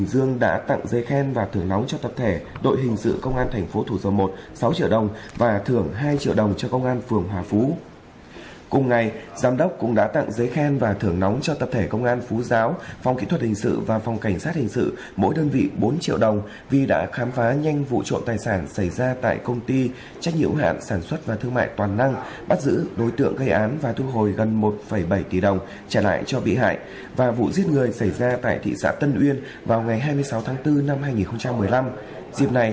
cùng đã tặng giấy khen và thưởng nóng cho tập thể công an phú giáo phòng kỹ thuật hình sự và phòng cảnh sát hình sự mỗi đơn vị bốn triệu đồng vì đã khám phá nhanh vụ trộn tài sản xảy ra tại công ty trách nhiễu hạn sản xuất và thương mại toàn năng bắt giữ đối tượng gây án và thu hồi gần một bảy tỷ đồng trả lại cho bị hại và vụ giết người xảy ra tại thị xã tân uyên vào ngày hai mươi sáu tháng bốn năm hai nghìn một mươi năm